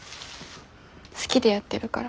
好きでやってるから。